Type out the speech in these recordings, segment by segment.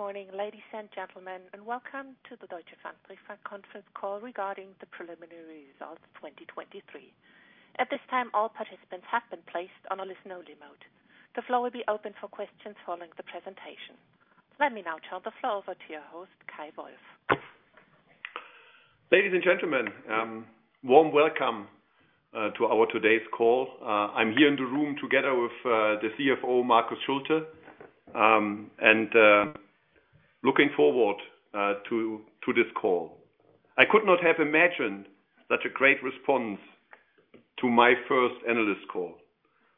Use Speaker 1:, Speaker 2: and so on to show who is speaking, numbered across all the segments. Speaker 1: Good morning, ladies and gentlemen, and welcome to the Deutsche Pfandbriefbank conference call regarding the preliminary results 2023. At this time, all participants have been placed on a listen-only mode. The floor will be open for questions following the presentation. Let me now turn the floor over to your host, Kay Wolf.
Speaker 2: Ladies and gentlemen, warm welcome to our today's call. I'm here in the room together with the CFO, Marcus Schulte. Looking forward to this call. I could not have imagined such a great response to my first analyst call.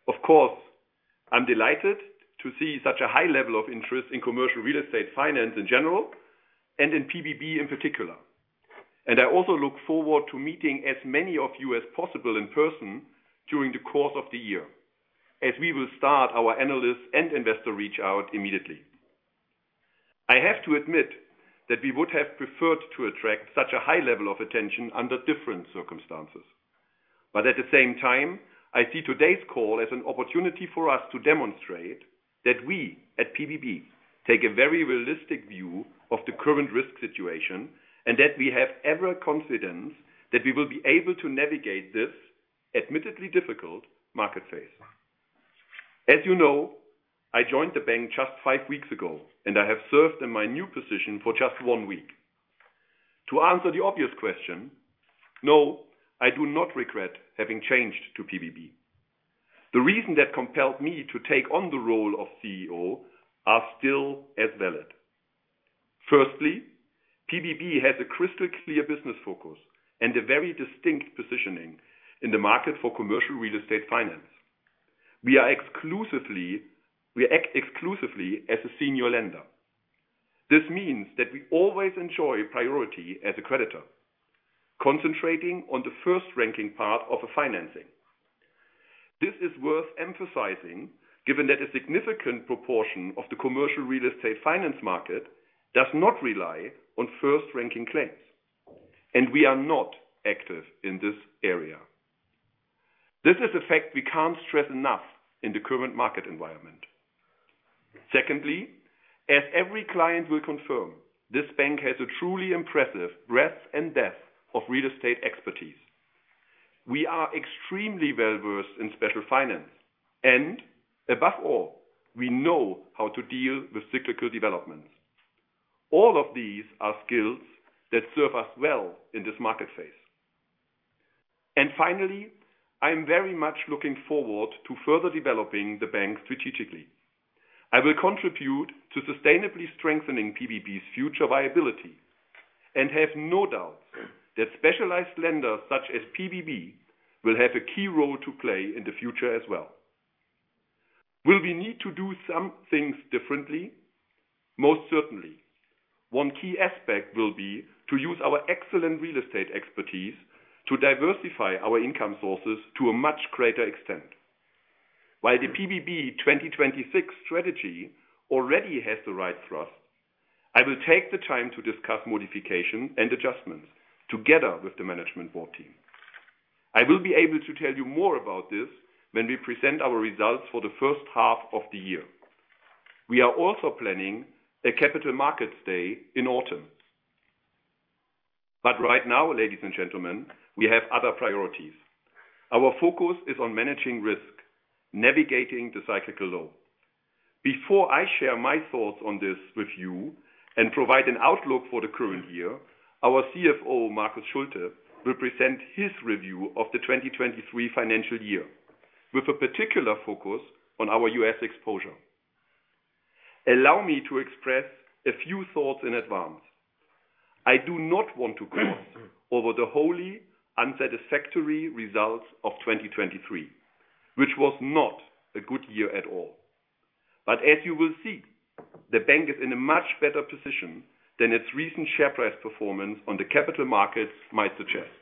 Speaker 2: Of course, I'm delighted to see such a high level of interest in commercial real estate finance in general, and in PBB in particular. I also look forward to meeting as many of you as possible in person during the course of the year, as we will start our analyst and investor reach out immediately. I have to admit that we would have preferred to attract such a high level of attention under different circumstances. But at the same time, I see today's call as an opportunity for us to demonstrate that we, at PBB, take a very realistic view of the current risk situation, and that we have every confidence that we will be able to navigate this admittedly difficult market phase. As you know, I joined the bank just five weeks ago, and I have served in my new position for just one week. To answer the obvious question: No, I do not regret having changed to PBB. The reason that compelled me to take on the role of CEO are still as valid. Firstly, PBB has a crystal clear business focus and a very distinct positioning in the market for commercial real estate finance. We act exclusively as a senior lender. This means that we always enjoy priority as a creditor, concentrating on the first-ranking part of a financing. This is worth emphasizing, given that a significant proportion of the commercial real estate finance market does not rely on first-ranking claims, and we are not active in this area. This is a fact we can't stress enough in the current market environment. Secondly, as every client will confirm, this bank has a truly impressive breadth and depth of real estate expertise. We are extremely well-versed in special finance, and above all, we know how to deal with cyclical developments. All of these are skills that serve us well in this market phase. And finally, I'm very much looking forward to further developing the bank strategically. I will contribute to sustainably strengthening PBB's future viability, and have no doubts that specialized lenders such as PBB will have a key role to play in the future as well. Will we need to do some things differently? Most certainly. One key aspect will be to use our excellent real estate expertise to diversify our income sources to a much greater extent. While the PBB 2026 strategy already has the right thrust, I will take the time to discuss modifications and adjustments together with the management board team. I will be able to tell you more about this when we present our results for the first half of the year. We are also planning a capital markets day in autumn. But right now, ladies and gentlemen, we have other priorities. Our focus is on managing risk, navigating the cyclical low. Before I share my thoughts on this with you and provide an outlook for the current year, our CFO, Marcus Schulte, will present his review of the 2023 financial year, with a particular focus on our U.S. exposure. Allow me to express a few thoughts in advance. I do not want to cross over the wholly unsatisfactory results of 2023, which was not a good year at all. But as you will see, the bank is in a much better position than its recent share price performance on the capital markets might suggest.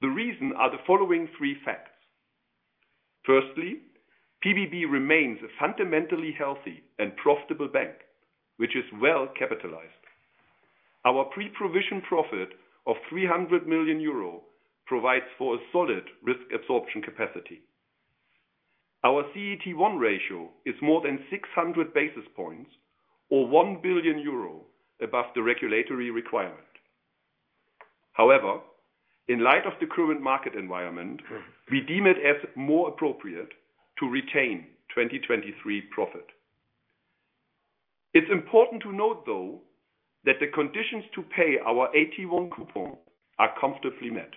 Speaker 2: The reason are the following three facts: firstly, PBB remains a fundamentally healthy and profitable bank, which is well capitalized. Our pre-provision profit of 300 million euro provides for a solid risk absorption capacity. Our CET1 ratio is more than 600 basis points or 1 billion euro above the regulatory requirement. However, in light of the current market environment, we deem it as more appropriate to retain 2023 profit. It's important to note, though, that the conditions to pay our AT1 coupon are comfortably met.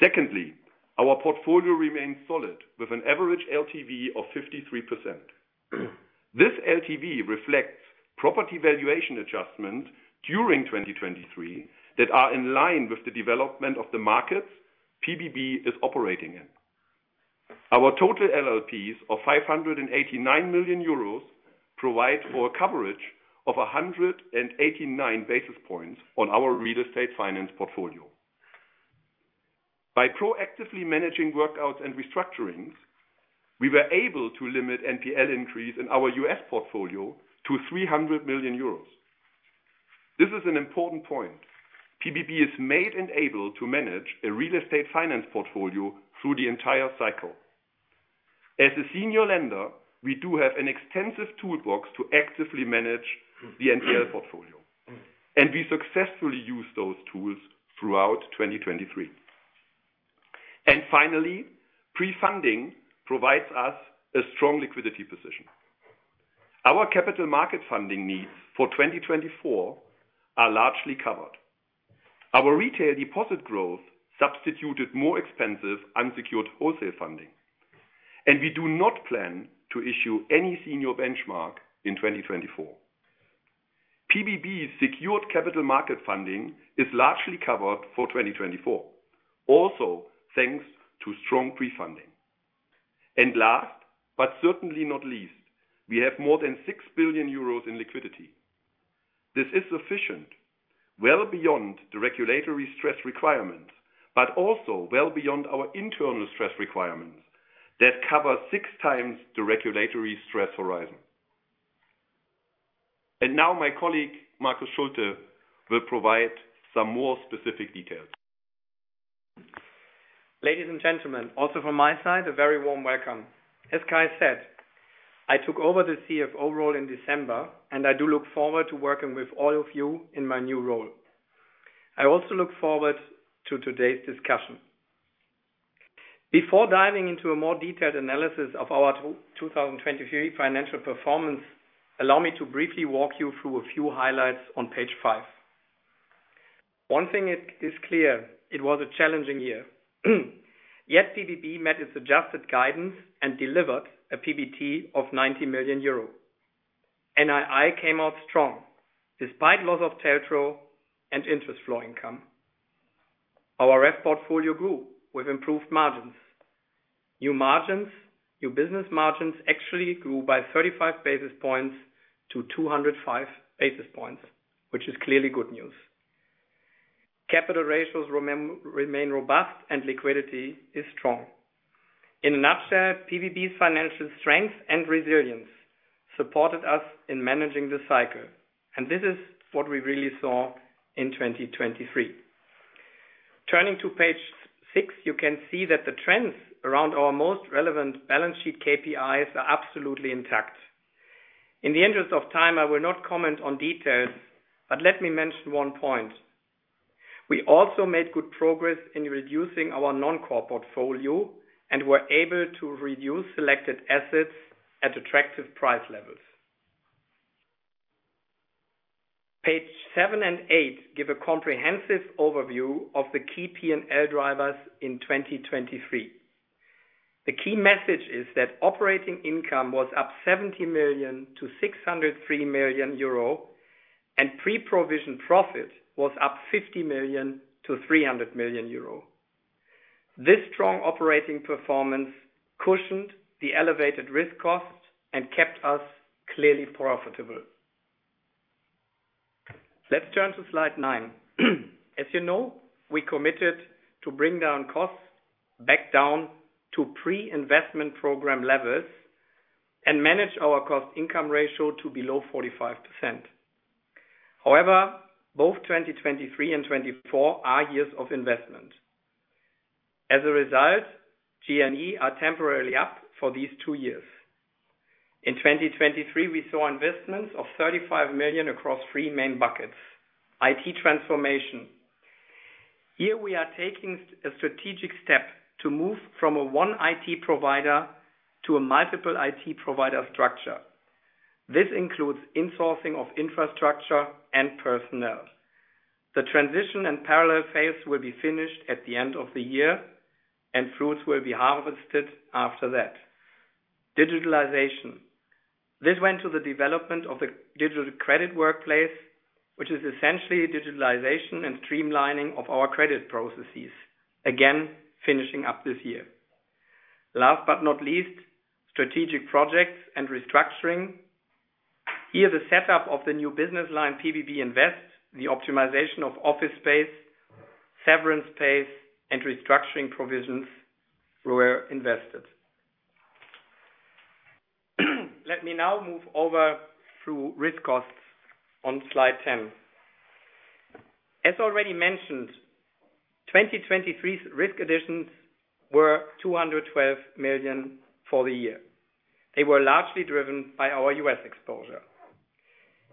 Speaker 2: Secondly, our portfolio remains solid, with an average LTV of 53%. This LTV reflects property valuation adjustment during 2023, that are in line with the development of the markets PBB is operating in. Our total LLPs of 589 million euros provide for a coverage of 189 basis points on our real estate finance portfolio. By proactively managing workouts and restructurings, we were able to limit NPL increase in our U.S. portfolio to 300 million euros. This is an important point. PBB is made and able to manage a real estate finance portfolio through the entire cycle. As a senior lender, we do have an extensive toolbox to actively manage the NPL portfolio, and we successfully used those tools throughout 2023. Finally, pre-funding provides us a strong liquidity position. Our capital market funding needs for 2024 are largely covered. Our retail deposit growth substituted more expensive unsecured wholesale funding, and we do not plan to issue any Senior Benchmark in 2024. PBB's secured capital market funding is largely covered for 2024, also thanks to strong pre-funding. And last, but certainly not least, we have more than 6 billion euros in liquidity. This is sufficient, well beyond the regulatory stress requirements, but also well beyond our internal stress requirements that cover 6x the regulatory stress horizon. And now my colleague, Marcus Schulte, will provide some more specific details.
Speaker 3: Ladies and gentlemen, also from my side, a very warm welcome. As Kay said, I took over the CFO role in December, and I do look forward to working with all of you in my new role. I also look forward to today's discussion. Before diving into a more detailed analysis of our 2023 financial performance, allow me to briefly walk you through a few highlights on page five. One thing is clear, it was a challenging year. Yet PBB met its adjusted guidance and delivered a PBT of 90 million euro. NII came out strong despite loss of TLTRO and interest floor income. Our REF portfolio grew with improved margins. New business margins actually grew by 35 basis points to 205 basis points, which is clearly good news. Capital ratios remain robust and liquidity is strong. In a nutshell, PBB's financial strength and resilience supported us in managing the cycle, and this is what we really saw in 2023. Turning to page six, you can see that the trends around our most relevant balance sheet KPIs are absolutely intact. In the interest of time, I will not comment on details, but let me mention one point: We also made good progress in reducing our non-core portfolio, and were able to reduce selected assets at attractive price levels. Page seven and eight give a comprehensive overview of the key P&L drivers in 2023. The key message is that operating income was up 70 million to 603 million euro, and pre-provision profit was up 50 million to 300 million euro. This strong operating performance cushioned the elevated risk costs and kept us clearly profitable. Let's turn to slide nine. As you know, we committed to bring down costs back down to pre-investment program levels and manage our cost-income ratio to below 45%. However, both 2023 and 2024 are years of investment. As a result, G&A are temporarily up for these two years. In 2023, we saw investments of 35 million across three main buckets. IT transformation. Here we are taking a strategic step to move from a one IT provider to a multiple IT provider structure. This includes insourcing of infrastructure and personnel. The transition and parallel phase will be finished at the end of the year, and fruits will be harvested after that. Digitalization. This went to the development of the Digital Credit Workplace, which is essentially digitalization and streamlining of our credit processes. Again, finishing up this year. Last but not least, strategic projects and restructuring. Here, the setup of the new business line, PBB Invest, the optimization of office space, severance pays, and restructuring provisions were invested. Let me now move over through risk costs on slide 10. As already mentioned, 2023's risk additions were 212 million for the year. They were largely driven by our U.S. exposure.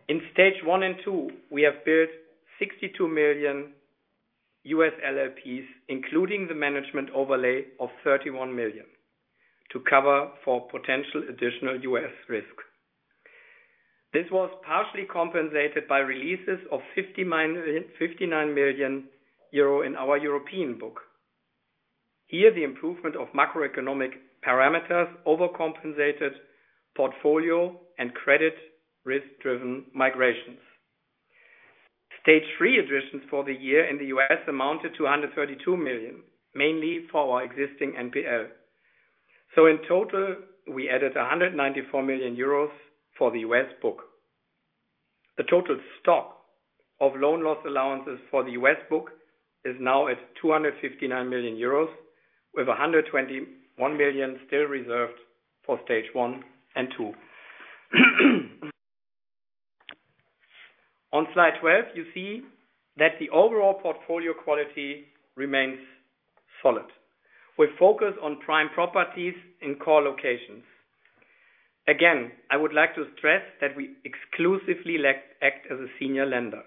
Speaker 3: In Stage One and Two, we have built 62 million U.S. LLPs, including the management overlay of 31 million, to cover for potential additional U.S. risk. This was partially compensated by releases of 59 million euro in our European book. Here, the improvement of macroeconomic parameters overcompensated portfolio and credit risk-driven migrations. Stage Three additions for the year in the U.S. amounted to 132 million, mainly for our existing NPL. So in total, we added 194 million euros for the U.S. book. The total stock of loan loss allowances for the U.S. book is now at 259 million euros. We have 121 million still reserved for Stage One and Two. On slide 12, you see that the overall portfolio quality remains solid, with focus on prime properties in core locations. Again, I would like to stress that we exclusively act as a senior lender.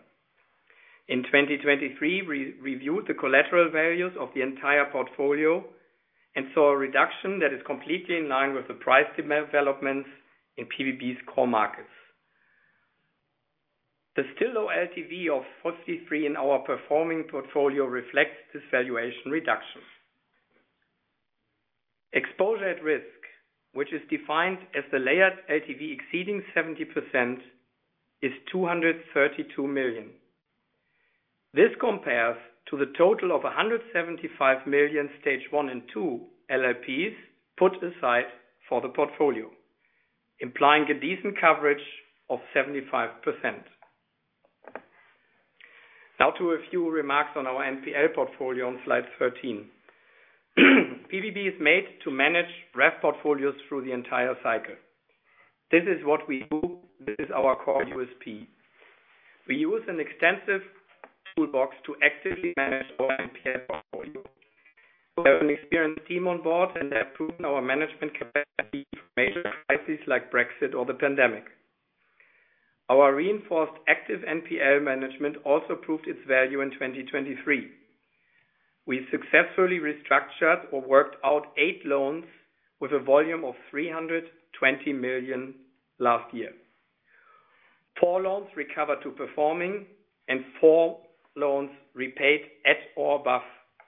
Speaker 3: In 2023, we reviewed the collateral values of the entire portfolio, and saw a reduction that is completely in line with the price developments in PBB's core markets. The still low LTV of 43% in our performing portfolio reflects this valuation reduction. Exposure at risk, which is defined as the layered LTV exceeding 70%, is 232 million. This compares to the total of 175 million Stage One and Two LLPs put aside for the portfolio, implying a decent coverage of 75%. Now to a few remarks on our NPL portfolio on slide 13. PBB is made to manage REF portfolios through the entire cycle. This is what we do. This is our core USP. We use an extensive toolbox to actively manage our NPL portfolio. We have an experienced team on board, and they have proven our management capacity for major crises like Brexit or the pandemic. Our reinforced active NPL management also proved its value in 2023. We successfully restructured or worked out eight loans with a volume of 320 million last year. Four loans recovered to performing and four loans repaid at or above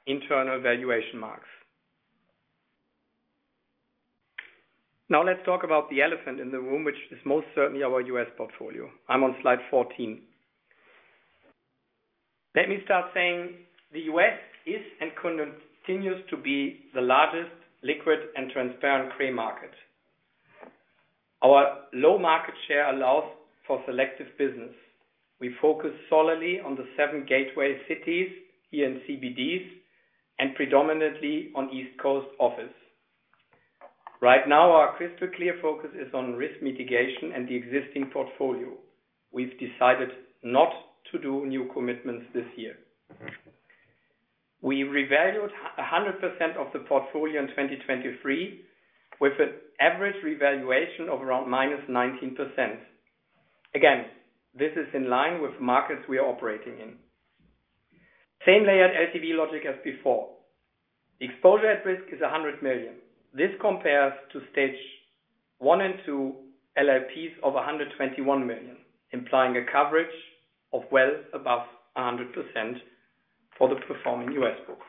Speaker 3: internal valuation marks. Now, let's talk about the elephant in the room, which is most certainly our U.S. portfolio. I'm on slide 14. Let me start saying the U.S. is and continues to be the largest liquid and transparent CRE market. Our low market share allows for selective business. We focus solely on the seven gateway cities here in CBDs and predominantly on East Coast office. Right now, our crystal clear focus is on risk mitigation and the existing portfolio. We've decided not to do new commitments this year. We revalued 100% of the portfolio in 2023, with an average revaluation of around -19%. Again, this is in line with markets we are operating in. Same layered LTV logic as before. Exposure at risk is 100 million. This compares to Stage One and Two LLPs of $121 million, implying a coverage of well above 100% for the performing US book.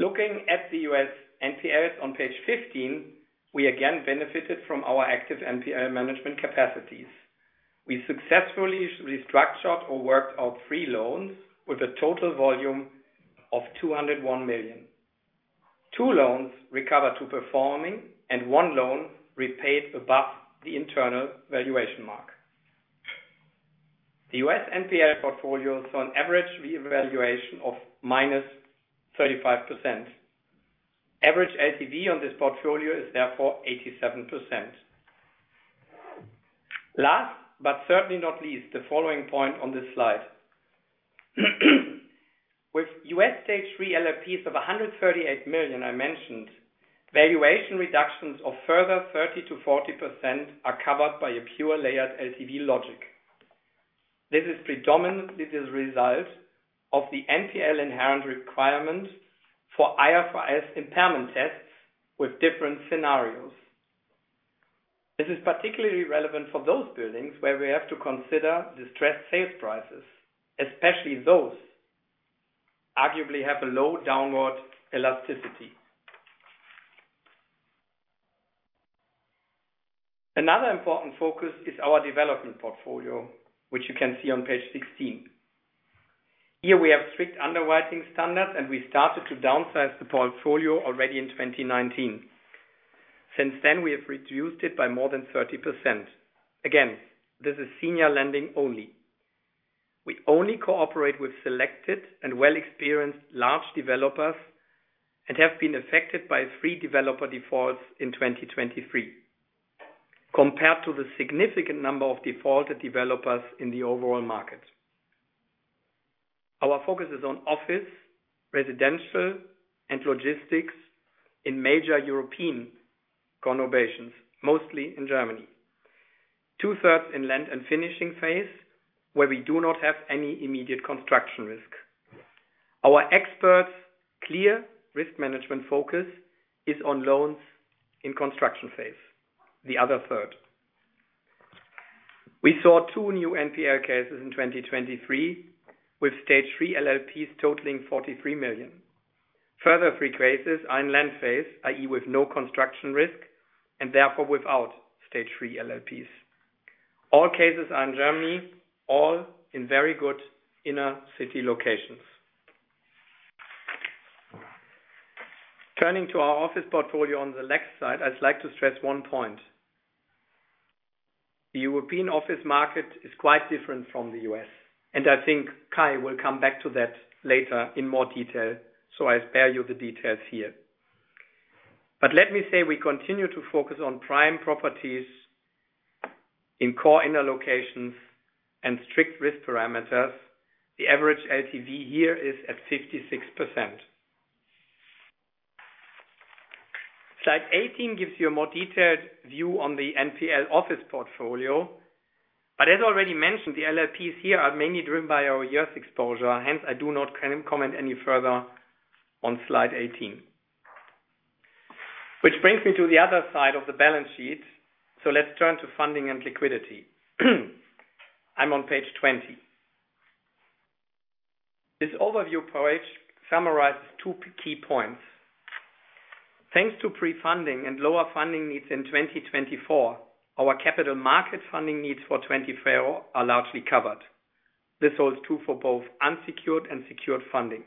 Speaker 3: Looking at the U.S. NPLs on page 15, we again benefited from our active NPL management capacities. We successfully restructured or worked out three loans with a total volume of $201 million. Two loans recovered to performing, and one loan repaid above the internal valuation mark. The U.S. NPL portfolio saw an average revaluation of -35%. Average LTV on this portfolio is therefore 87%. Last, but certainly not least, the following point on this slide. With U.S. Stage Three LLPs of $138 million, I mentioned, valuation reductions of further 30%-40% are covered by a pure layered LTV logic. This is predominantly the result of the NPL inherent requirement for IFRS impairment tests with different scenarios. This is particularly relevant for those buildings, where we have to consider distressed sales prices, especially those arguably have a low downward elasticity. Another important focus is our development portfolio, which you can see on page 16. Here, we have strict underwriting standards, and we started to downsize the portfolio already in 2019. Since then, we have reduced it by more than 30%. Again, this is senior lending only. We only cooperate with selected and well-experienced large developers, and have been affected by three developer defaults in 2023, compared to the significant number of defaulted developers in the overall market. Our focus is on office, residential, and logistics in major European conurbations, mostly in Germany. Two-thirds in land and finishing phase, where we do not have any immediate construction risk. Our experts' clear risk management focus is on loans in construction phase, the other third. We saw two new NPL cases in 2023, with Stage Three LLPs totaling 43 million. Further three cases are in land phase, i.e., with no construction risk, and therefore, without Stage Three LLPs. All cases are in Germany, all in very good inner-city locations. Turning to our office portfolio on the next slide, I'd like to stress one point. The European office market is quite different from the U.S., and I think Kay will come back to that later in more detail, so I spare you the details here. But let me say we continue to focus on prime properties in core inner locations and strict risk parameters. The average LTV here is at 56%. Slide 18 gives you a more detailed view on the NPL office portfolio, but as already mentioned, the LLPs here are mainly driven by our U.S. exposure. Hence, I cannot comment any further on slide 18. Which brings me to the other side of the balance sheet, so let's turn to funding and liquidity. I'm on page 20. This overview page summarizes two key points. Thanks to pre-funding and lower funding needs in 2024, our capital market funding needs for 2024 are largely covered. This holds true for both unsecured and secured funding.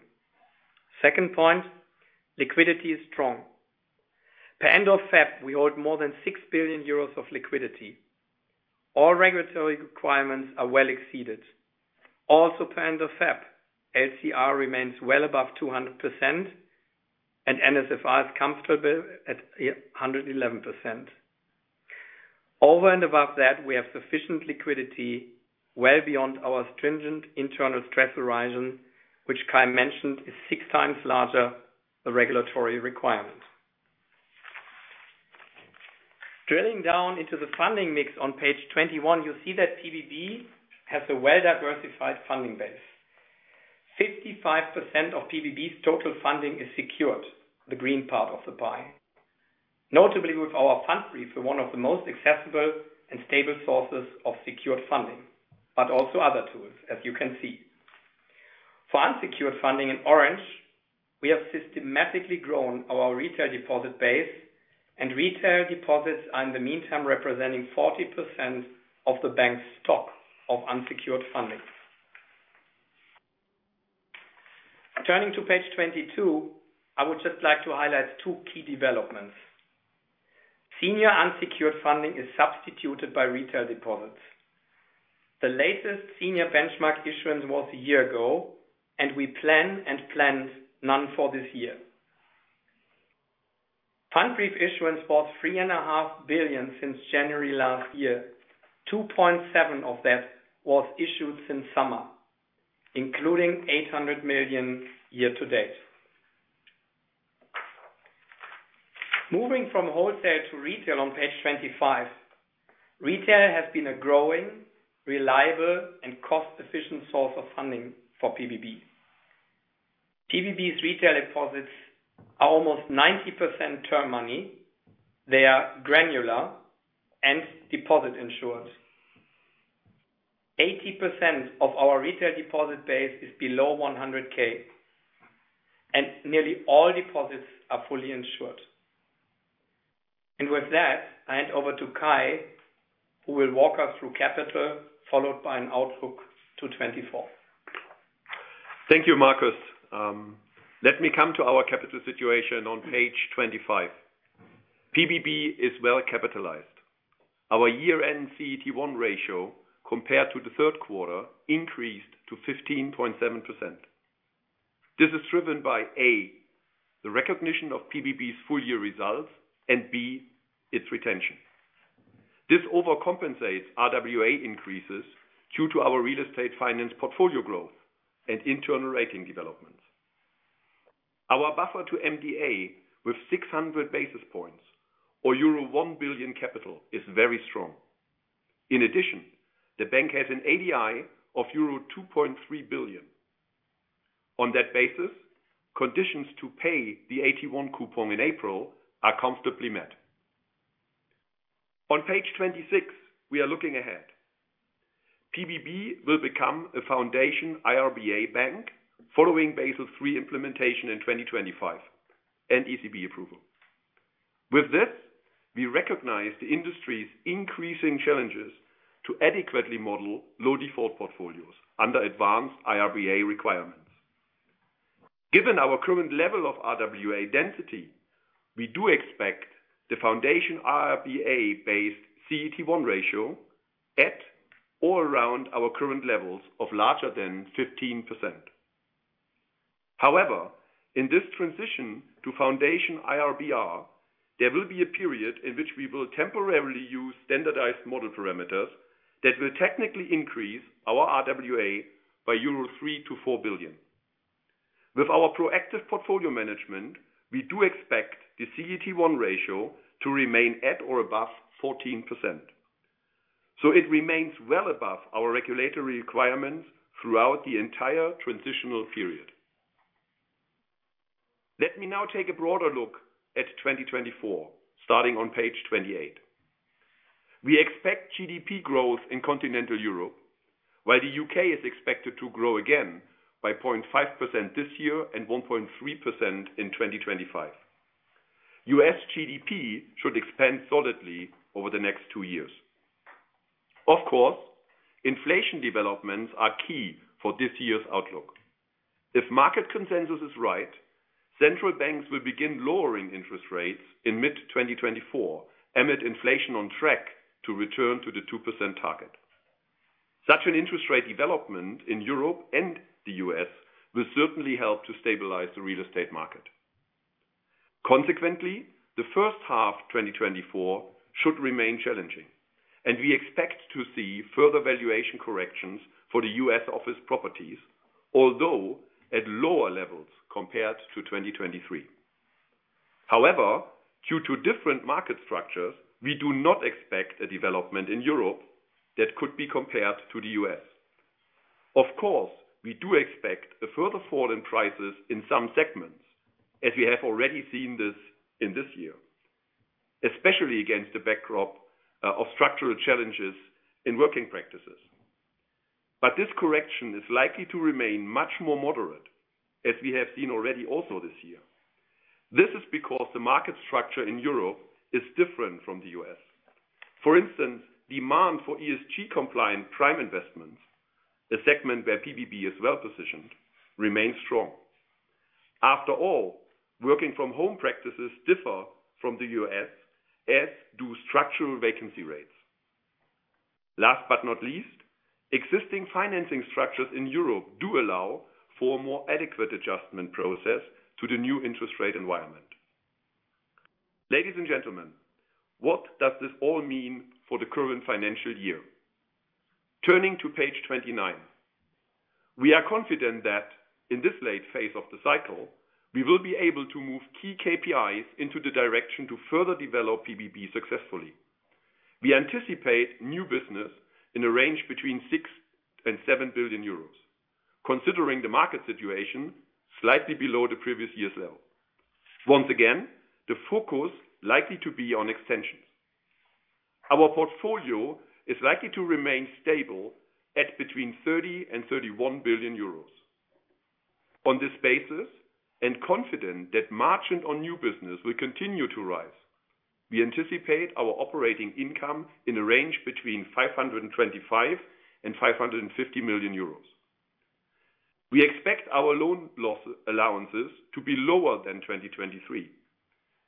Speaker 3: Second point, liquidity is strong. At end of Feb, we hold more than 6 billion euros of liquidity. All regulatory requirements are well exceeded. Also, at end of Feb, LCR remains well above 200% and NSFR is comfortable at 111%. Over and above that, we have sufficient liquidity well beyond our stringent internal stress horizon, which Kay mentioned, is 6x larger the regulatory requirement. Drilling down into the funding mix on page 21, you'll see that PBB has a well-diversified funding base. 55% of PBB's total funding is secured, the green part of the pie. Notably, with our Pfandbrief, one of the most accessible and stable sources of secured funding, but also other tools, as you can see. For unsecured funding in orange, we have systematically grown our retail deposit base, and retail deposits are in the meantime representing 40% of the bank's stock of unsecured funding. Turning to page 22, I would just like to highlight two key developments. Senior unsecured funding is substituted by retail deposits. The latest senior benchmark issuance was a year ago, and we plan and planned none for this year. Pfandbrief issuance was 3.5 billion since January last year. 2.7 billion of that was issued since summer, including 800 million year to date. Moving from wholesale to retail on page 25. Retail has been a growing, reliable and cost-efficient source of funding for PBB. PBB's retail deposits are almost 90% term money. They are granular and deposit insured. 80% of our retail deposit base is below 100K, and nearly all deposits are fully insured. And with that, I hand over to Kay, who will walk us through capital, followed by an outlook to 2024.
Speaker 2: Thank you, Marcus. Let me come to our capital situation on page 25. PBB is well capitalized. Our year-end CET1 ratio compared to the third quarter, increased to 15.7%. This is driven by, A, the recognition of PBB's full year results, and B, its retention. This overcompensates RWA increases due to our real estate finance portfolio growth and internal rating development. Our buffer to MDA with 600 basis points or euro 1 billion capital, is very strong. In addition, the bank has an ADI of euro 2.3 billion. On that basis, conditions to pay the AT1 coupon in April are comfortably met. On page 26, we are looking ahead. PBB will become a foundation IRBA bank following Basel III implementation in 2025 and ECB approval. With this, we recognize the industry's increasing challenges to adequately model low default portfolios under advanced IRBA requirements. Given our current level of RWA density, we do expect the Foundation IRBA-based CET1 ratio at or around our current levels of larger than 15%. However, in this transition to Foundation IRBA, there will be a period in which we will temporarily use standardized model parameters that will technically increase our RWA by 3 billion-4 billion euro. With our proactive portfolio management, we do expect the CET1 ratio to remain at or above 14%, so it remains well above our regulatory requirements throughout the entire transitional period. Let me now take a broader look at 2024, starting on page 28. We expect GDP growth in Continental Europe, while the U.K. is expected to grow again by 0.5% this year and 1.3% in 2025. U.S. GDP should expand solidly over the next two years. Of course, inflation developments are key for this year's outlook. If market consensus is right, central banks will begin lowering interest rates in mid-2024, amid inflation on track to return to the 2% target. Such an interest rate development in Europe and the U.S. will certainly help to stabilize the real estate market. Consequently, the first half, 2024 should remain challenging, and we expect to see further valuation corrections for the U.S. office properties, although at lower levels compared to 2023. However, due to different market structures, we do not expect a development in Europe that could be compared to the U.S. Of course, we do expect a further fall in prices in some segments, as we have already seen this in this year, especially against the backdrop of structural challenges in working practices. But this correction is likely to remain much more moderate, as we have seen already also this year. This is because the market structure in Europe is different from the U.S. For instance, demand for ESG compliant prime investments, a segment where PBB is well positioned, remains strong. After all, working from home practices differ from the U.S., as do structural vacancy rates. Last but not least, existing financing structures in Europe do allow for a more adequate adjustment process to the new interest rate environment. Ladies and gentlemen, what does this all mean for the current financial year? Turning to page 29, we are confident that in this late phase of the cycle, we will be able to move key KPIs into the direction to further develop PBB successfully. We anticipate new business in a range between 6 billion and 7 billion euros, considering the market situation slightly below the previous year's level. Once again, the focus likely to be on extensions. Our portfolio is likely to remain stable at between 30 billion and 31 billion euros. On this basis, and confident that margin on new business will continue to rise, we anticipate our operating income in a range between 525 million and 550 million euros. We expect our loan loss allowances to be lower than 2023,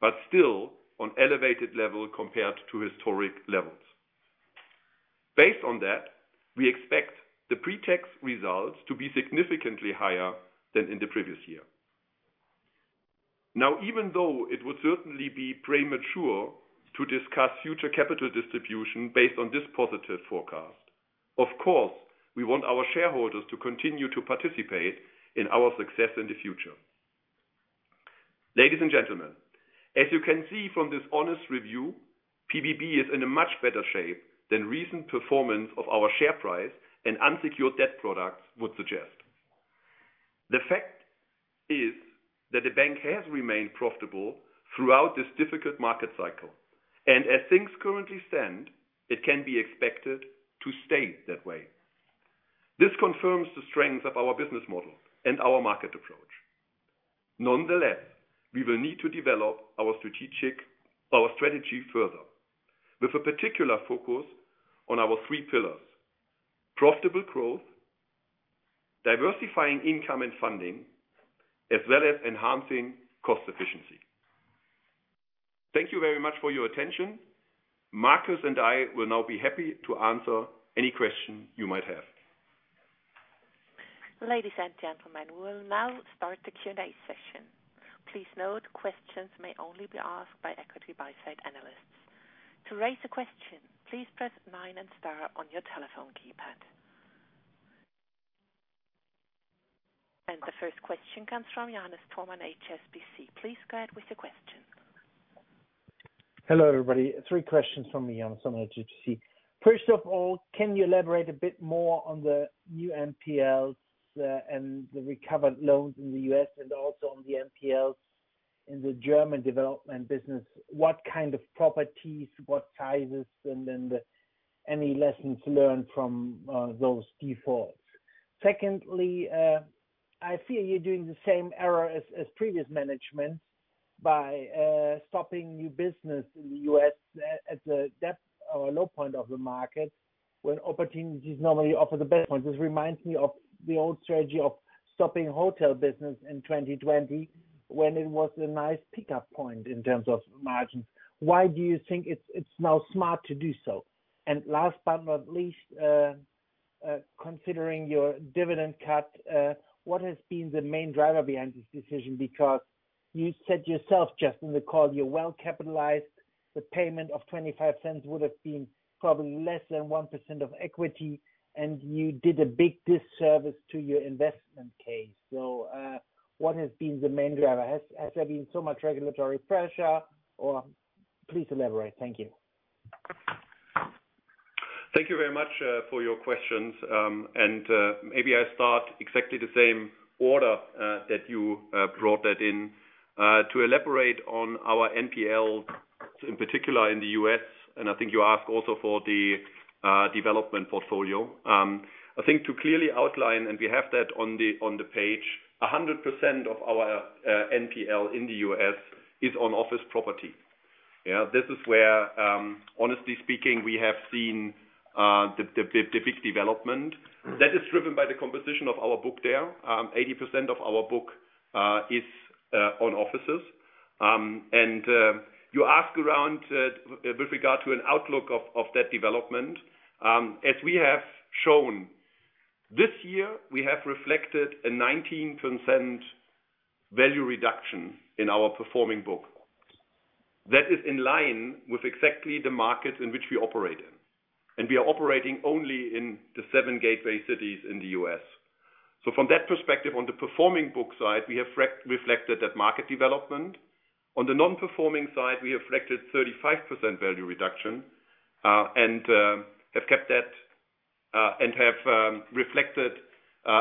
Speaker 2: but still on elevated level compared to historic levels. Based on that, we expect the pre-tax results to be significantly higher than in the previous year. Now, even though it would certainly be premature to discuss future capital distribution based on this positive forecast, of course, we want our shareholders to continue to participate in our success in the future. Ladies and gentlemen, as you can see from this honest review, PBB is in a much better shape than recent performance of our share price and unsecured debt products would suggest. The fact is that the bank has remained profitable throughout this difficult market cycle, and as things currently stand, it can be expected to stay that way. This confirms the strength of our business model and our market approach. Nonetheless, we will need to develop our strategy further, with a particular focus on our three pillars: profitable growth, diversifying income and funding, as well as enhancing cost efficiency. Thank you very much for your attention. Marcus and I will now be happy to answer any question you might have.
Speaker 1: Ladies and gentlemen, we will now start the Q&A session. Please note, questions may only be asked by equity buyside analysts. To raise a question, please press nine and star on your telephone keypad. The first question comes from Johannes Thormann, HSBC. Please go ahead with your question.
Speaker 4: Hello, everybody. Three questions from me, Johannes Thormann, HSBC. First of all, can you elaborate a bit more on the new NPLs and the recovered loans in the U.S. and also on the NPLs in the German development business? What kind of properties, what sizes, and then the any lessons learned from those defaults? Secondly, I feel you're doing the same error as previous management by stopping new business in the US at the depth or low point of the market, when opportunities normally offer the best point. This reminds me of the old strategy of stopping hotel business in 2020, when it was a nice pickup point in terms of margins. Why do you think it's now smart to do so? And last but not least, considering your dividend cut, what has been the main driver behind this decision? Because you said yourself, just in the call, you're well capitalized. The payment of 0.25 would have been probably less than 1% of equity, and you did a big disservice to your investment case. So, what has been the main driver? Has there been so much regulatory pressure, or please elaborate. Thank you.
Speaker 2: Thank you very much for your questions. Maybe I start exactly the same order that you brought that in. To elaborate on our NPL, in particular in the U.S., and I think you asked also for the development portfolio. I think to clearly outline, and we have that on the page, 100% of our NPL in the U.S. is on office property. Yeah, this is where, honestly speaking, we have seen the big development that is driven by the composition of our book there. 80% of our book is on offices. And you ask around with regard to an outlook of that development. As we have shown this year, we have reflected a 19% value reduction in our performing book. That is in line with exactly the market in which we operate in, and we are operating only in the seven gateway cities in the U.S. So from that perspective, on the performing book side, we have reflected that market development. On the non-performing side, we have reflected 35% value reduction, and have kept that, and have reflected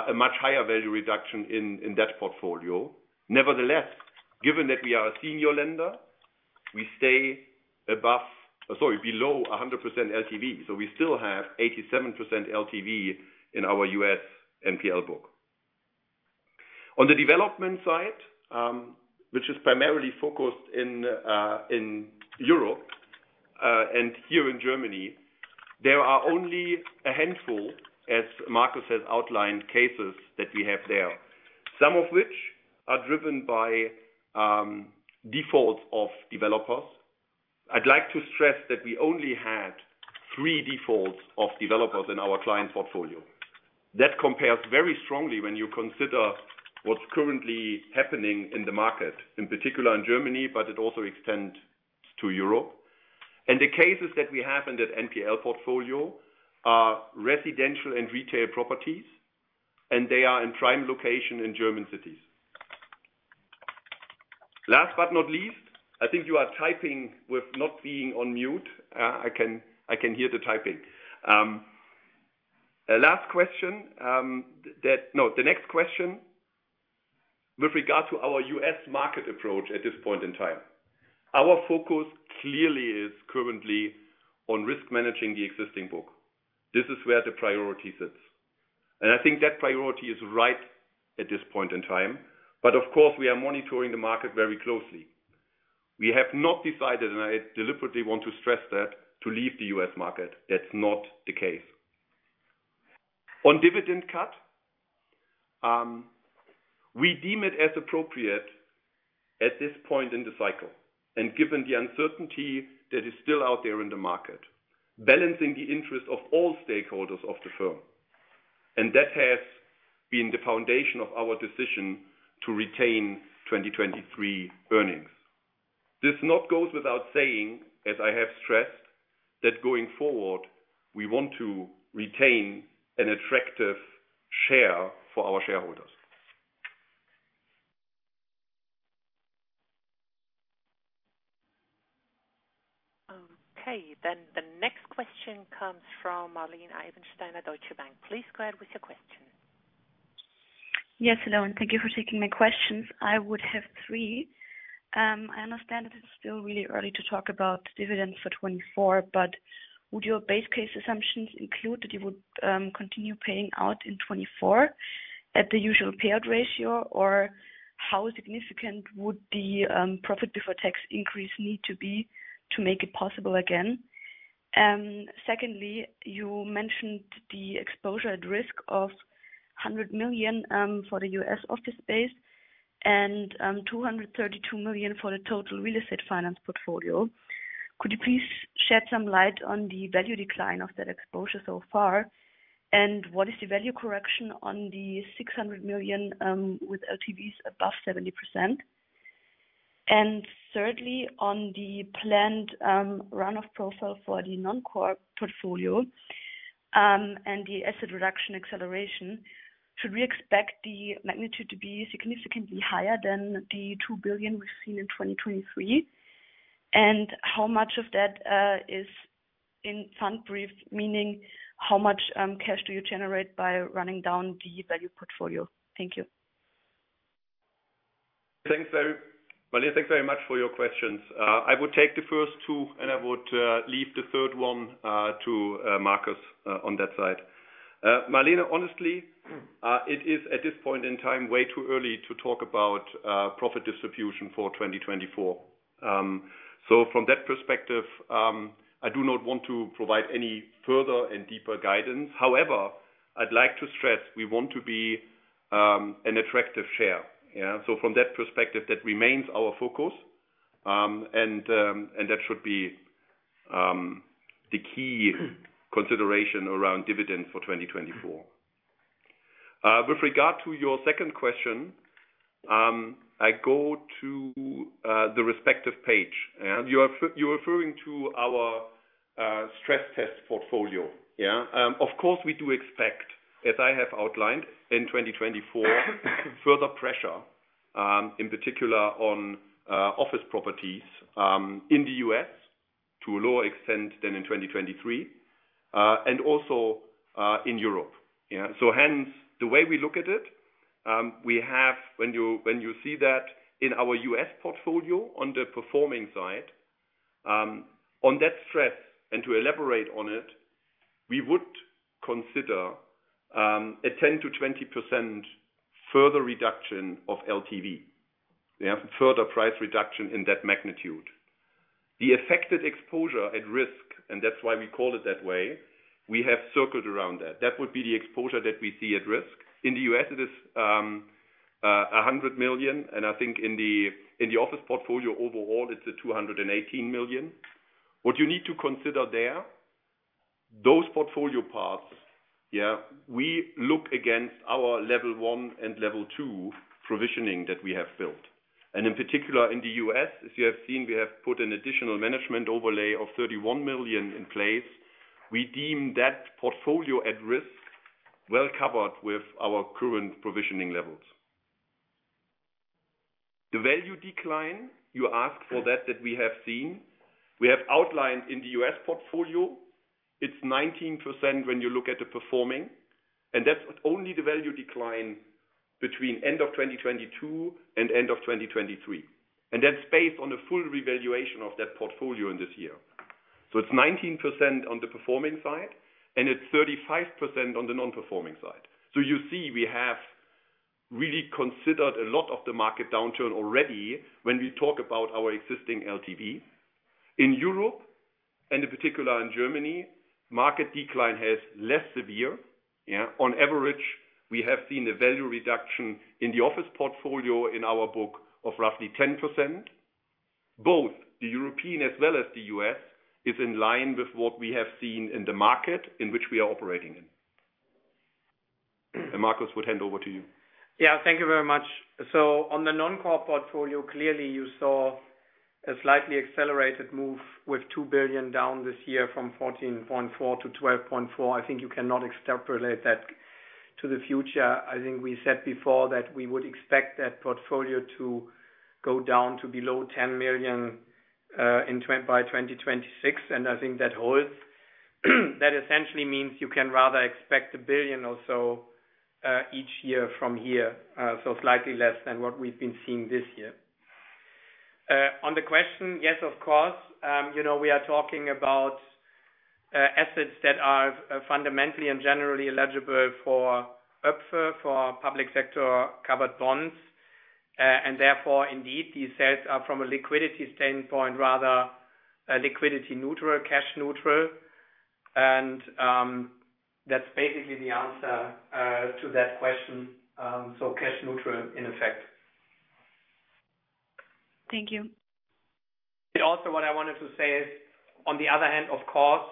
Speaker 2: a much higher value reduction in that portfolio. Nevertheless, given that we are a senior lender, we stay below 100% LTV. So we still have 87% LTV in our U.S. NPL book. On the development side, which is primarily focused in Europe, and here in Germany, there are only a handful, as Marcus has outlined, cases that we have there. Some of which are driven by defaults of developers. I'd like to stress that we only had three defaults of developers in our client portfolio. That compares very strongly when you consider what's currently happening in the market, in particular in Germany, but it also extends to Europe. The cases that we have in that NPL portfolio are residential and retail properties, and they are in prime location in German cities. Last but not least, I think you are typing with not being on mute. I can hear the typing. Last question, the next question with regard to our U.S. market approach at this point in time. Our focus clearly is currently on risk managing the existing book. This is where the priority sits, and I think that priority is right at this point in time. Of course, we are monitoring the market very closely. We have not decided, and I deliberately want to stress that, to leave the U.S. market. That's not the case. On dividend cut, we deem it as appropriate at this point in the cycle, and given the uncertainty that is still out there in the market, balancing the interest of all stakeholders of the firm. That has been the foundation of our decision to retain 2023 earnings. This does not go without saying, as I have stressed, that going forward, we want to retain an attractive share for our shareholders.
Speaker 1: Okay, then the next question comes from Marlene Eibensteiner at Deutsche Bank. Please go ahead with your question.
Speaker 5: Yes, hello, and thank you for taking my questions. I would have three. I understand it is still really early to talk about dividends for 2024, but would your base case assumptions include that you would continue paying out in 2024 at the usual payout ratio? Or how significant would the profit before tax increase need to be to make it possible again? Secondly, you mentioned the exposure at risk of 100 million for the U.S. office space and 232 million for the total real estate finance portfolio. Could you please shed some light on the value decline of that exposure so far? And what is the value correction on the 600 million with LTVs above 70%? And thirdly, on the planned run-off profile for the non-core portfolio, and the asset reduction acceleration, should we expect the magnitude to be significantly higher than the 2 billion we've seen in 2023? And how much of that is in Pfandbrief, meaning how much cash do you generate by running down the value portfolio? Thank you.
Speaker 2: Thanks Marlene, thanks very much for your questions. I would take the first two, and I would leave the third one to Marcus on that side. Marlene, honestly, it is, at this point in time, way too early to talk about profit distribution for 2024. So from that perspective, I do not want to provide any further and deeper guidance. However, I'd like to stress, we want to be an attractive share. Yeah, so from that perspective, that remains our focus. And that should be the key consideration around dividends for 2024. With regard to your second question, I go to the respective page, and you're referring to our stress test portfolio. Yeah. Of course, we do expect, as I have outlined, in 2024, further pressure, in particular on, office properties, in the U.S. to a lower extent than in 2023, and also, in Europe, yeah. So hence, the way we look at it, we have—when you, when you see that in our U.S. portfolio, on the performing side, on that stress, and to elaborate on it—we would consider, a 10%-20% further reduction of LTV. Yeah, further price reduction in that magnitude. The affected exposure at risk, and that's why we call it that way, we have circled around that. That would be the exposure that we see at risk. In the U.S., it is, a $100 million, and I think in the, in the office portfolio overall, it's a $218 million. What you need to consider there, those portfolio parts, yeah, we look against our level one and level two provisioning that we have built. In particular, in the U.S., as you have seen, we have put an additional management overlay of $31 million in place. We deem that portfolio at risk well covered with our current provisioning levels. The value decline, you asked for that, that we have seen. We have outlined in the U.S. portfolio, it's 19% when you look at the performing, and that's only the value decline between end of 2022 and end of 2023, and that's based on the full revaluation of that portfolio in this year. So it's 19% on the performing side, and it's 35% on the non-performing side. So you see, we have really considered a lot of the market downturn already when we talk about our existing LTV. In Europe, and in particular in Germany, market decline has less severe, yeah. On average, we have seen a value reduction in the office portfolio in our book of roughly 10%. Both the European as well as the U.S., is in line with what we have seen in the market in which we are operating in. And Marcus, would hand over to you.
Speaker 3: Yeah, thank you very much. So on the non-core portfolio, clearly you saw a slightly accelerated move with 2 billion down this year from 14.4 billion to 12.4 billion. I think you cannot extrapolate that to the future. I think we said before that we would expect that portfolio to go down to below 10 billion by 2026, and I think that holds. That essentially means you can rather expect 1 billion or so each year from here, so slightly less than what we've been seeing this year. On the question, yes, of course, you know, we are talking about assets that are fundamentally and generally eligible for PF, for Public Sector Covered Bonds. And therefore, indeed, these sales are from a liquidity standpoint, rather a liquidity neutral, cash neutral, and, that's basically the answer, to that question. So cash neutral in effect.
Speaker 5: Thank you.
Speaker 3: Also what I wanted to say is, on the other hand, of course,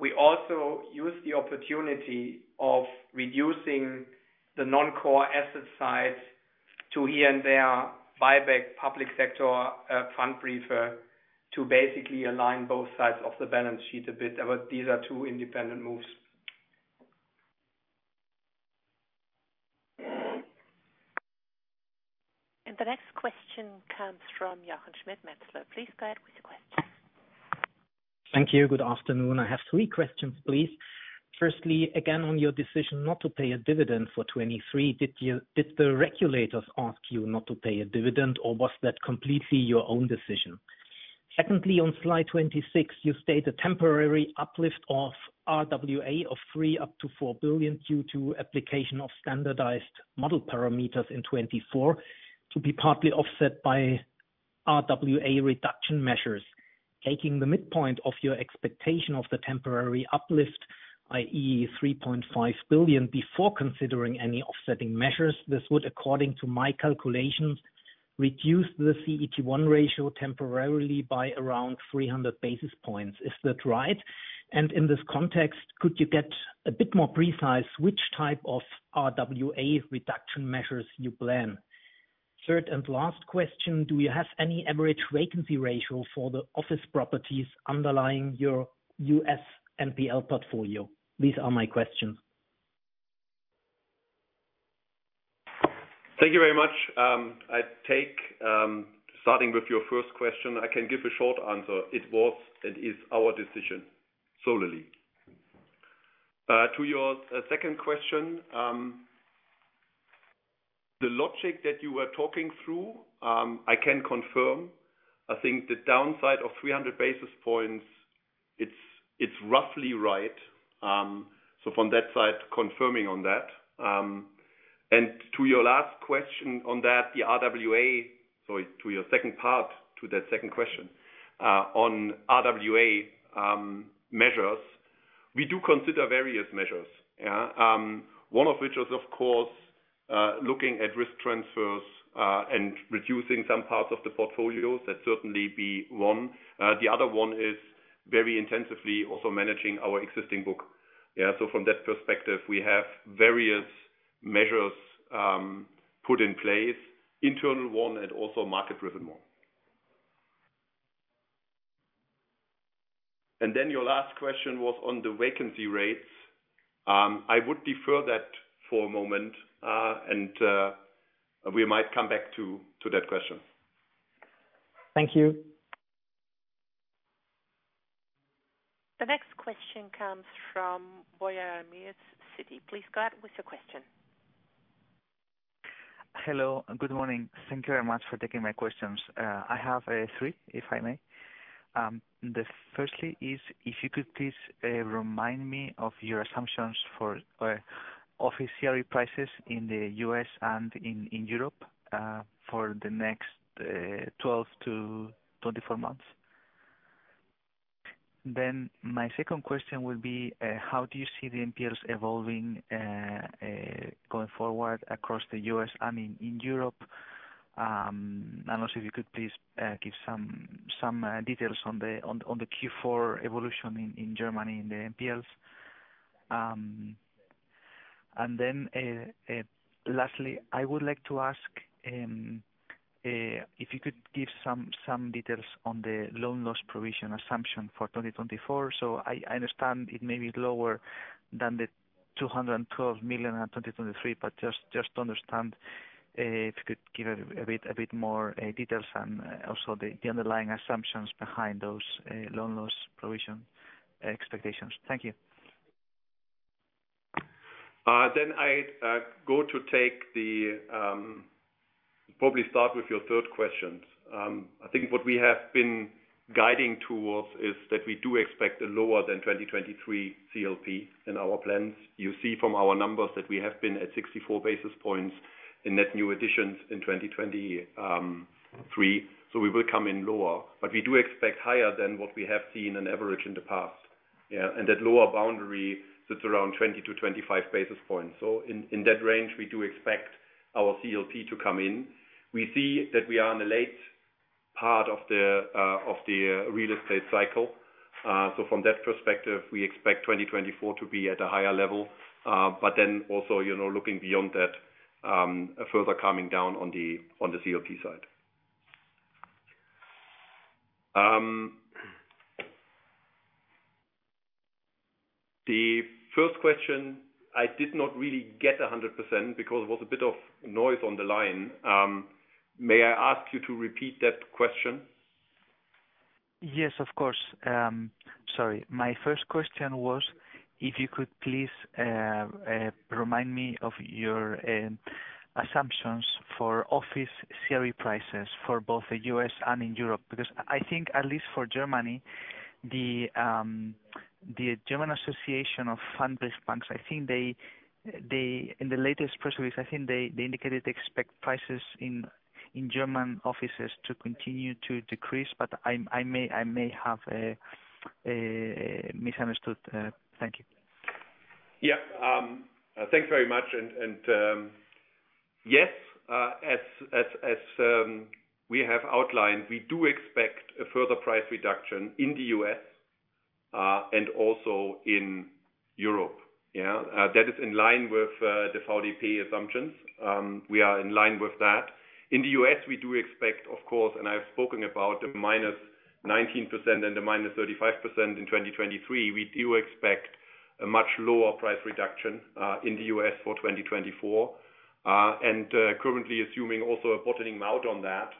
Speaker 3: we also use the opportunity of reducing the non-core asset side to here and there buy back public sector Pfandbrief to basically align both sides of the balance sheet a bit, but these are two independent moves.
Speaker 1: The next question comes from Jochen Schmitt, Metzler. Please go ahead with your question.
Speaker 6: Thank you. Good afternoon. I have three questions, please. Firstly, again, on your decision not to pay a dividend for 2023, did you-- did the regulators ask you not to pay a dividend, or was that completely your own decision? Secondly, on slide 26, you state a temporary uplift of RWA of 3 billion-4 billion due to application of standardized model parameters in 2024, to be partly offset by RWA reduction measures. Taking the midpoint of your expectation of the temporary uplift, i.e., 3.5 billion, before considering any offsetting measures, this would, according to my calculations, reduce the CET1 ratio temporarily by around 300 basis points. Is that right? And in this context, could you get a bit more precise which type of RWA reduction measures you plan? Third and last question: Do you have any average vacancy ratio for the office properties underlying your U.S. NPL portfolio? These are my questions.
Speaker 2: Thank you very much. I take, starting with your first question, I can give a short answer. It was and is our decision, solely. To your, second question, the logic that you were talking through, I can confirm. I think the downside of 300 basis points, it's, it's roughly right. So from that side, confirming on that. And to your last question on that, the RWA—Sorry, to your second part, to that second question, on RWA, measures, we do consider various measures, yeah? One of which is, of course, looking at risk transfers, and reducing some parts of the portfolios, that certainly be one. The other one is very intensively also managing our existing book. Yeah, so from that perspective, we have various measures, put in place, internal one and also market-driven one. Then your last question was on the vacancy rates. I would defer that for a moment, and we might come back to that question.
Speaker 6: Thank you.
Speaker 1: The next question comes from Borja Ramirez, Citi. Please go ahead with your question.
Speaker 7: Hello, good morning. Thank you very much for taking my questions. I have three, if I may. The first is, if you could please remind me of your assumptions for office prices in the U.S. and in Europe for the next 12 months-24 months. Then my second question would be, how do you see the NPLs evolving going forward across the U.S., I mean, in Europe? And also, if you could please give some details on the Q4 evolution in Germany in the NPLs. And then lastly, I would like to ask, if you could give some details on the loan loss provision assumption for 2024. I understand it may be lower than 212 million in 2023, but just to understand, if you could give a bit more details and also the underlying assumptions behind those loan loss provision expectations? Thank you.
Speaker 2: Then probably start with your third question. I think what we have been guiding towards is that we do expect a lower than 2023 CLP in our plans. You see from our numbers that we have been at 64 basis points in net new additions in 2023, so we will come in lower. But we do expect higher than what we have seen on average in the past. Yeah, and that lower boundary sits around 20 basis points-25 basis points. So in that range, we do expect our CLP to come in. We see that we are in the late part of the real estate cycle. So from that perspective, we expect 2024 to be at a higher level. But then also, you know, looking beyond that, further coming down on the, on the CLP side. The first question, I did not really get 100% because there was a bit of noise on the line. May I ask you to repeat that question?
Speaker 7: Yes, of course. Sorry. My first question was, if you could please, remind me of your, assumptions for office CRE prices for both the U.S. and in Europe. Because I think, at least for Germany, the, the German Association of Pfandbrief Banks, I think they, they, in the latest press release, I think they, they indicated they expect prices in, in German offices to continue to decrease, but I, I may, I may have, misunderstood. Thank you.
Speaker 2: Yeah. Thanks very much. And yes, as we have outlined, we do expect a further price reduction in the U.S., and also in Europe, yeah. That is in line with the VDP assumptions. We are in line with that. In the U.S., we do expect, of course, and I've spoken about the -19% and the -35% in 2023, we do expect a much lower price reduction in the U.S. for 2024. And currently assuming also a bottoming out on that,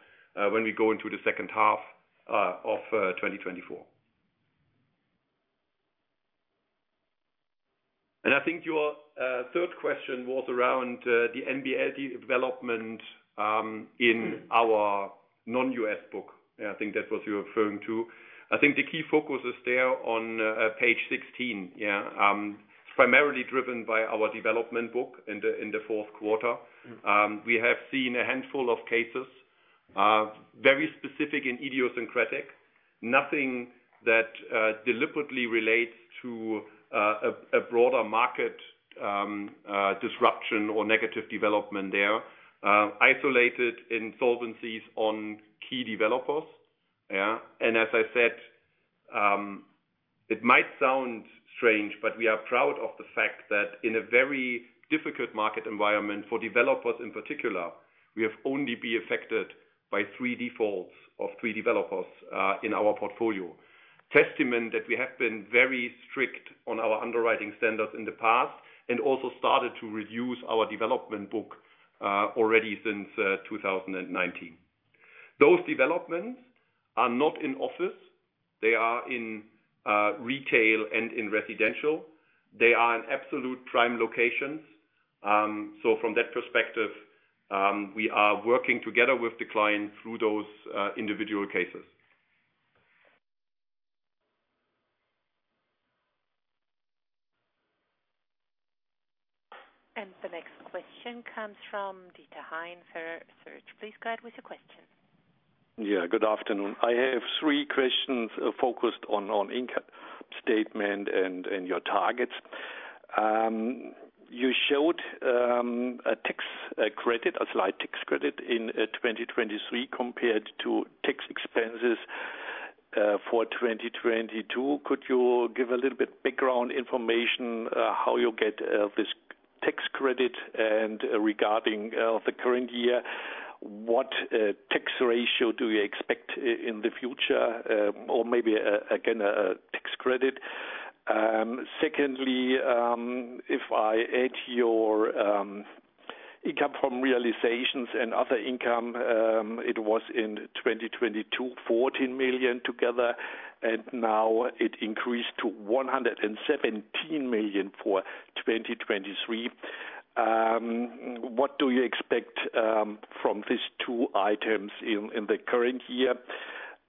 Speaker 2: when we go into the second half of 2024. And I think your third question was around the NPL development in our non-U.S. book. Yeah, I think that's what you're referring to. I think the key focus is there on page 16, yeah. Primarily driven by our development book in the fourth quarter. We have seen a handful of cases, very specific, idiosyncratic. Nothing that deliberately relates to a broader market disruption or negative development there. Isolated insolvencies on key developers, yeah? And as I said, it might sound strange, but we are proud of the fact that in a very difficult market environment for developers in particular, we have only been affected by three defaults of three developers in our portfolio. Testament that we have been very strict on our underwriting standards in the past, and also started to reduce our development book already since 2019. Those developments are not in office. They are in retail and in residential. They are in absolute prime locations. So from that perspective, we are working together with the client through those individual cases.
Speaker 1: The next question comes from Dieter Hein, Fairesearch. Please go ahead with your question.
Speaker 8: Yeah, good afternoon. I have three questions focused on income statement and your targets. You showed a tax credit, a slight tax credit in 2023 compared to tax expenses for 2022. Could you give a little bit background information how you get this tax credit? And regarding the current year, what tax ratio do you expect in the future, or maybe again a tax credit? Secondly, if I add your income from realizations and other income, it was in 2022, 14 million together, and now it increased to 117 million for 2023. What do you expect from these two items in the current year?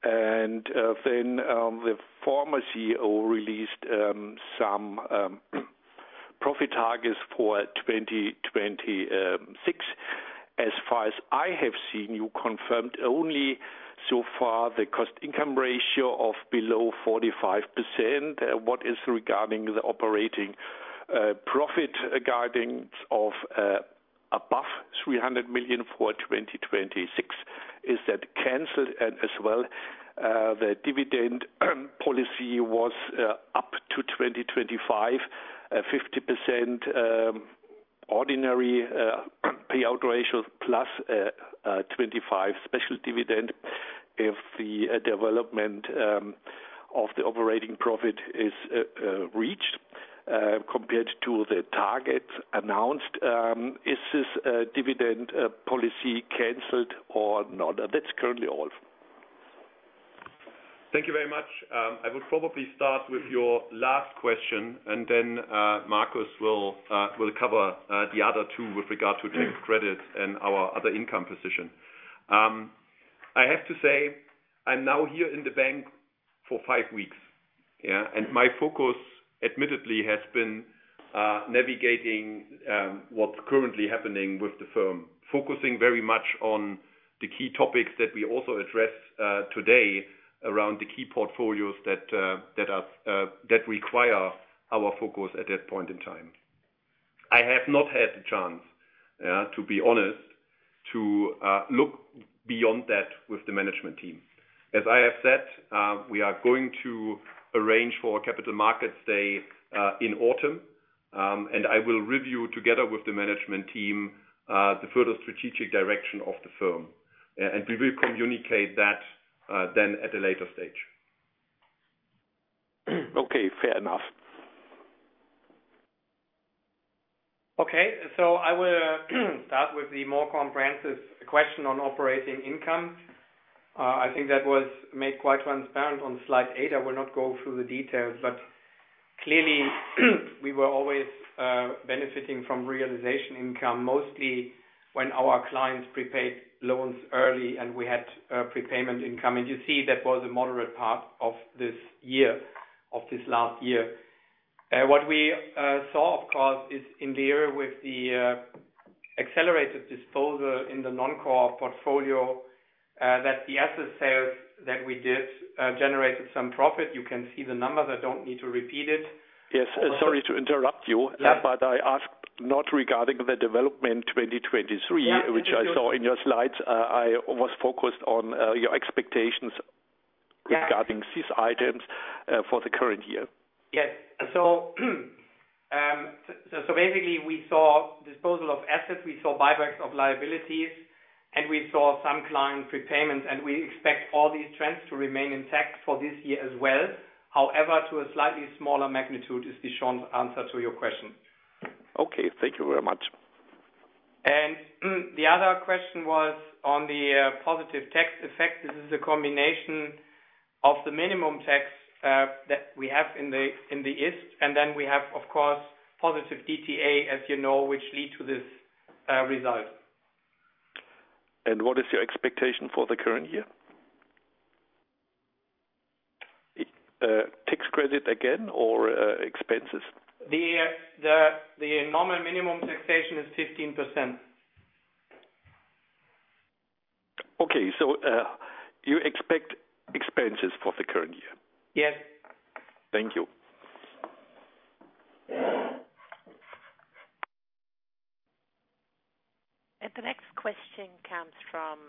Speaker 8: And then the former CEO released some profit targets for 2026. As far as I have seen, you confirmed only so far the cost-income ratio of below 45%. What is regarding the operating profit guidance of above 300 million for 2026, is that canceled? And as well, the dividend policy was up to 2025, 50% ordinary payout ratio, plus 25% special dividend if the development of the operating profit is reached compared to the targets announced. Is this dividend policy canceled or not? That's currently all.
Speaker 2: Thank you very much. I would probably start with your last question, and then Marcus will cover the other two with regard to tax credit and our other income position. I have to say, I'm now here in the bank for five weeks, yeah, and my focus admittedly has been navigating what's currently happening with the firm. Focusing very much on the key topics that we also address today around the key portfolios that require our focus at that point in time. I have not had the chance, to be honest, to look beyond that with the management team. As I have said, we are going to arrange for a Capital Markets Day in autumn, and I will review together with the management team the further strategic direction of the firm. We will communicate that then at a later stage.
Speaker 8: Okay, fair enough.
Speaker 3: Okay. So I will start with the more comprehensive question on operating income. I think that was made quite transparent on slide eight. I will not go through the details, but clearly, we were always benefiting from realization income, mostly when our clients prepaid loans early, and we had prepayment income. And you see that was a moderate part of this year, of this last year. What we saw, of course, is in there with the accelerated disposal in the non-core portfolio, that the asset sales that we did generated some profit. You can see the numbers. I don't need to repeat it.
Speaker 8: Yes, sorry to interrupt you.
Speaker 3: Yeah.
Speaker 8: But I asked not regarding the development in 2023-
Speaker 3: Yeah
Speaker 8: which I saw in your slides. I was focused on your expectations-
Speaker 3: Yeah
Speaker 8: regarding these items, for the current year.
Speaker 3: Yes. So, basically we saw disposal of assets, we saw buybacks of liabilities, and we saw some client prepayments, and we expect all these trends to remain intact for this year as well. However, to a slightly smaller magnitude, is the short answer to your question.
Speaker 8: Okay. Thank you very much.
Speaker 3: The other question was on the positive tax effect. This is a combination of the minimum tax that we have in the East, and then we have, of course, positive DTA, as you know, which lead to this result.
Speaker 8: What is your expectation for the current year? Tax credit again or expenses?
Speaker 3: The normal minimum taxation is 15%.
Speaker 8: Okay, so, you expect expenses for the current year?
Speaker 3: Yes.
Speaker 8: Thank you.
Speaker 1: The next question comes from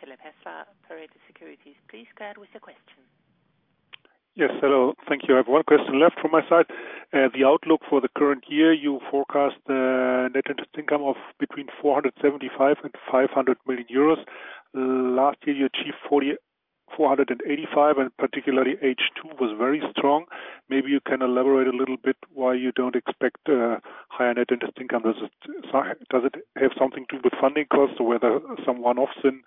Speaker 1: Philipp Hässler, Berenberg Securities. Please go ahead with your question.
Speaker 9: Yes, hello. Thank you, everyone. Question left from my side. The outlook for the current year, you forecast net interest income of between 475 million and 500 million euros. Last year, you achieved 485 million, and particularly H2 was very strong. Maybe you can elaborate a little bit why you don't expect higher net interest income. Does it, so does it have something to do with funding costs or whether some one-offs in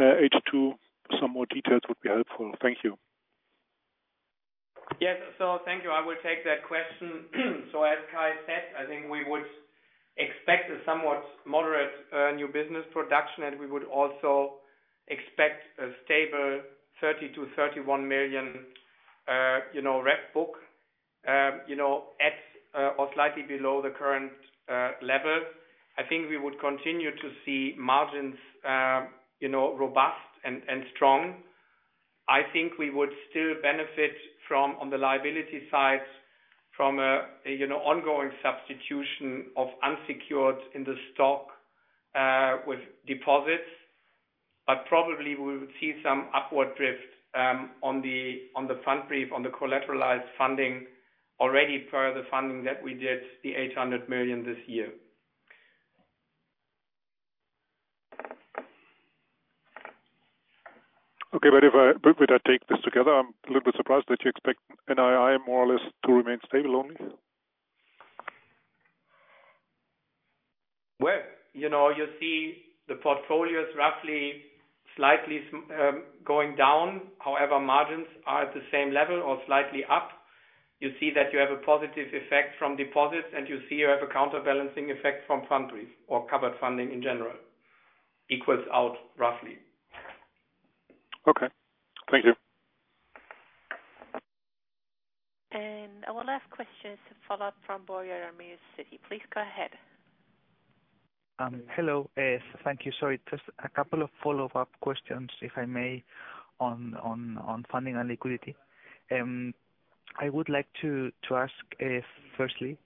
Speaker 9: H2? Some more details would be helpful. Thank you.
Speaker 3: Yes. So thank you. I will take that question. So as Kay said, I think we would expect a somewhat moderate new business production, and we would also expect a stable 30 million-31 million, you know, REF book. You know, at or slightly below the current level. I think we would continue to see margins, you know, robust and, and strong. I think we would still benefit from, on the liability side, from a, you know, ongoing substitution of unsecured in the stock, with deposits. But probably we would see some upward drift, on the, on the Pfandbrief, on the collateralized funding already per the funding that we did, the 800 million, this year.
Speaker 9: Okay, but if I take this together, I'm a little bit surprised that you expect NII more or less to remain stable only.
Speaker 3: Well, you know, you see the portfolios roughly, slightly, going down. However, margins are at the same level or slightly up. You see that you have a positive effect from deposits, and you see you have a counterbalancing effect from Pfandbrief or covered funding in general, equals out roughly.
Speaker 1: Okay, thank you. And our last question is a follow-up from Borja Ramirez, Citi. Please go ahead.
Speaker 7: Hello. Thank you. Sorry, just a couple of follow-up questions, if I may, on funding and liquidity. I would like to ask, firstly,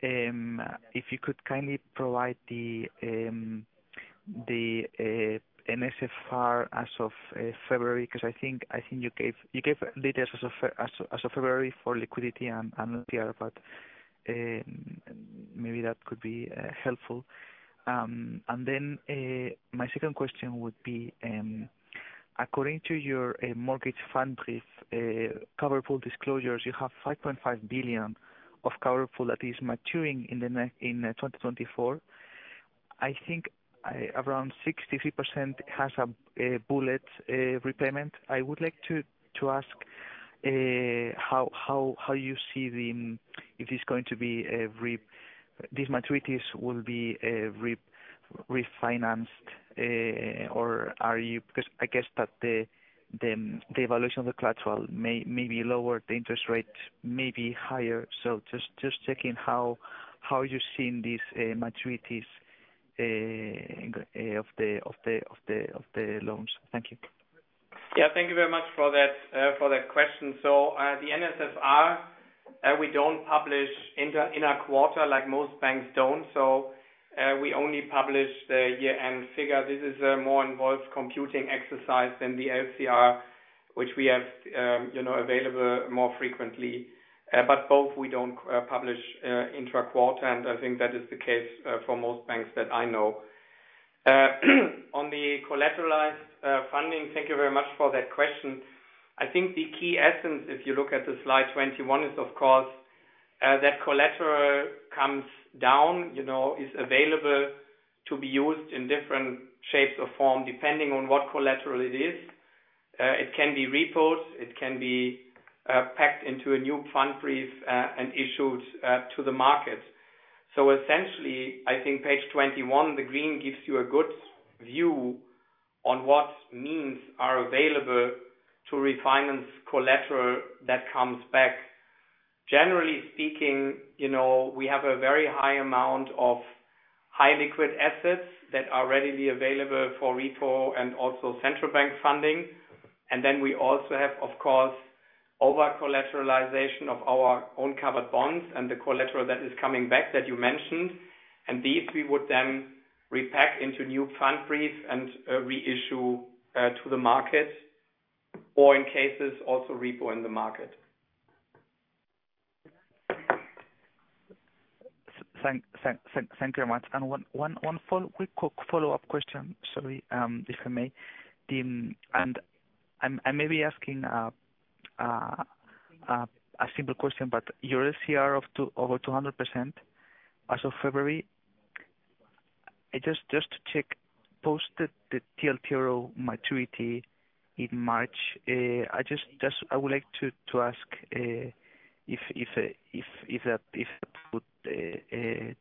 Speaker 7: if you could kindly provide the NSFR as of February, because I think you gave details as of February for liquidity and LCR, but maybe that could be helpful. And then, my second question would be, according to your mortgage Pfandbrief cover pool disclosures, you have 5.5 billion of cover pool that is maturing in 2024. I think, around 63% has a bullet repayment. I would like to ask how you see the, if it's going to be, these maturities will be refinanced, or are you—'cause I guess that the evaluation of the collateral may be lower, the interest rate may be higher. So just checking how you're seeing these maturities of the loans. Thank you.
Speaker 5: Yeah, thank you very much for that, for that question. So, the NSFR, we don't publish intra-quarter, like most banks don't. So, we only publish the year-end figure. This is a more involved computing exercise than the LCR, which we have, you know, available more frequently. But both we don't publish intra-quarter, and I think that is the case, for most banks that I know. On the collateralized funding, thank you very much for that question. I think the key essence, if you look at the slide 21, is of course, that collateral comes down, you know, is available to be used in different shapes or form, depending on what collateral it is. It can be repos, it can be packed into a new Pfandbrief, and issued to the market. So essentially, I think page 21, the green gives you a good view on what means are available to refinance collateral that comes back. Generally speaking, you know, we have a very high amount of high liquid assets that are readily available for repo and also central bank funding. And then we also have, of course, over-collateralization of our own covered bonds and the collateral that is coming back that you mentioned. And these we would then repack into new Pfandbrief and reissue to the market, or in cases, also repo in the market.
Speaker 7: Thank you very much. One quick follow-up question. Sorry, if I may. And I may be asking a simple question, but your LCR of over 200% as of February, I just to check, post the TLTRO maturity in March, I just, I would like to ask if that would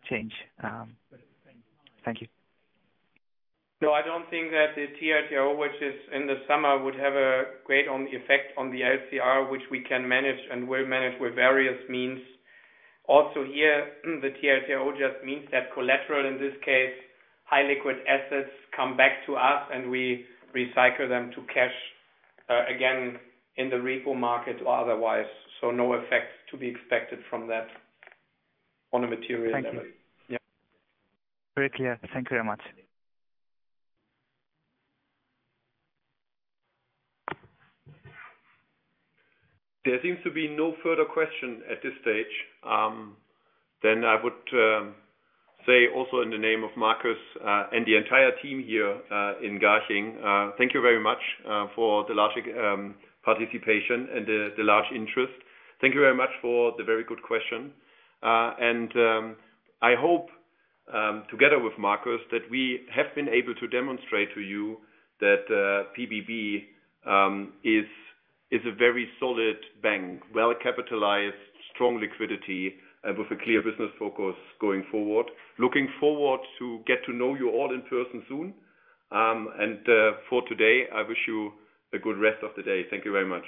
Speaker 7: change. Thank you.
Speaker 3: No, I don't think that the TLTRO, which is in the summer, would have a great effect on the LCR, which we can manage and will manage with various means. Also, here, the TLTRO just means that collateral, in this case, high liquid assets, come back to us, and we recycle them to cash again, in the repo market or otherwise. So no effect to be expected from that on a material level.
Speaker 7: Thank you. Yeah. Very clear. Thank you very much.
Speaker 2: There seems to be no further question at this stage. Then I would say also in the name of Marcus and the entire team here in Garching, thank you very much for the large participation and the large interest. Thank you very much for the very good question. And I hope together with Marcus that we have been able to demonstrate to you that PBB is a very solid bank, well-capitalized, strong liquidity, and with a clear business focus going forward. Looking forward to get to know you all in person soon. And for today, I wish you a good rest of the day. Thank you very much.